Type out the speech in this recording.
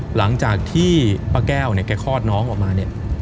หลังจากที่ป้าแก้วเนี่ยแกคลอดน้องออกมาเนี่ย